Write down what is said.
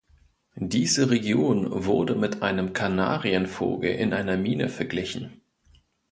Diese Region wurde mit einem Kanarienvogel in einer Mine verglichen.